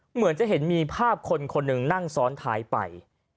เหมือนจะเห็นมีภาพคนคนหนึ่งนั่งซ้อนท้ายไป